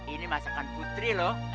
ini masakan putri loh